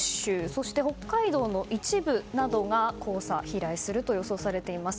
そして、北海道の一部などが黄砂飛来するといわれています。